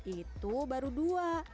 itu baru dua